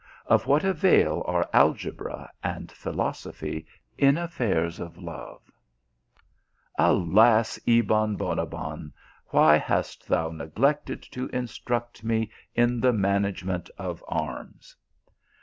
of what avail are algeora and philos ophy in affairs of love ! alas, Ebon Bonabbon, why hast thou neglected to instruct me in the manage ment of arms